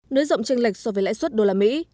nới rộng tranh lệch so với lãi suất đô la mỹ